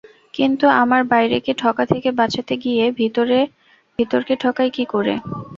কিন্তু আমার বাইরেকে ঠকা থেকে বাঁচাতে গিয়ে ভিতরকে ঠকাই কী করে?